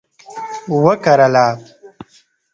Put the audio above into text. وکرله